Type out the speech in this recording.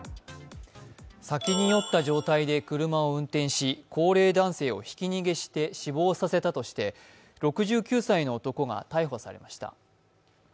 酒に酔った状態で車を運転し高齢者男性をひき逃げして死亡させたとして６９歳の男が逮捕されました。